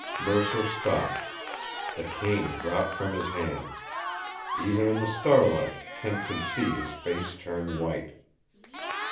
Mercer stopped. The cane dropped from his hand. Even in the starlight Kent could see his face turn white.